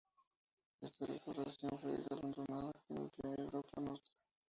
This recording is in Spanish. Esa restauración fue galardonada con el Premio "Europa Nostra".